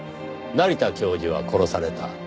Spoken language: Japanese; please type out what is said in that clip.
成田教授は殺された。